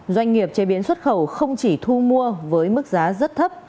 doanh nghiệp chế biến xuất khẩu không chỉ thu mua với mức giá rất thấp